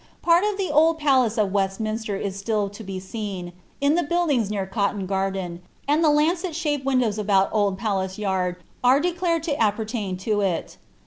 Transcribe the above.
Part of the old palan of Westminster is still lo be seen, in the buildings near Coilan gardes. and the lancet shaped windows about Old Palace Yard are di^clarr^l w apnerbiin to it.'